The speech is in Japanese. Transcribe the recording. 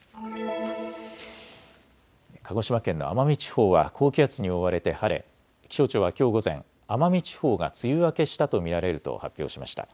鹿児島県の奄美地方は高気圧に覆われて晴れ気象庁はきょう午前、奄美地方が梅雨明けしたと見られると発表しました。